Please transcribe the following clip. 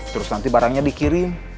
terus nanti barangnya dikirim